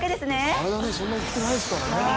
体、そんなに多くないですからね。